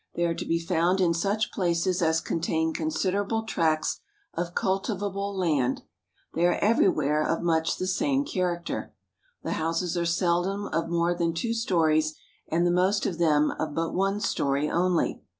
They are to be found in such places as contain considerable tracts of cultivable land. They are everywhere of much the same character. The houses are seldom of more than two stories, and the most of them of but one story only.